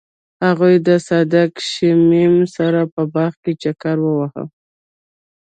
هغوی د صادق شمیم سره په باغ کې چکر وواهه.